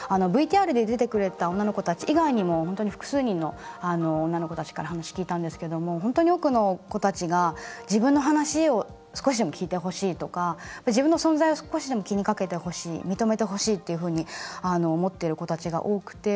ＶＴＲで出てくれた女の子たち以外にも本当に複数人の女の子たちから話、聞いたんですけども本当に多くの子たちが自分の話を少しでも聞いてほしいとか自分の存在を少しでも気にかけてほしい認めてほしいっていうふうに思っている子たちが多くて。